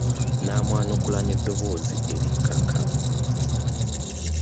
Namwanukula mu ddoboozi erikkakkamu.